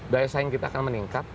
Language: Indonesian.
daya saing kita akan meningkat